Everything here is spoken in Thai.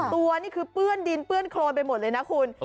ตัวนี่คือเปื้อนดินเปื้อนโครนไปหมดเลยนะคุณ